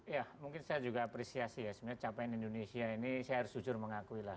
ya mungkin saya juga apresiasi ya sebenarnya capaian indonesia ini saya harus jujur mengakui lah